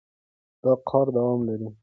دا کار دوام لري.